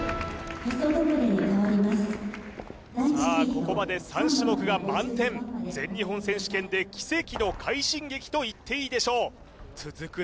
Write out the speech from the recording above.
ここまで３種目が満点全日本選手権で奇跡の快進撃といっていいでしょう続く